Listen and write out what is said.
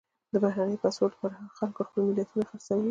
د بهرني پاسپورټ لپاره هغو خلکو خپلې ملیتونه خرڅوي.